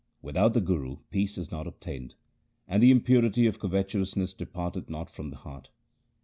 Without the Guru peace is not obtained, and the impurity of covetousness departeth not from the heart.